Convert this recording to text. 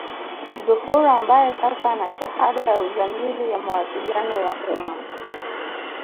Zuhura ambaye sasa ana shahada ya uzamili ya mawasiliano ya umma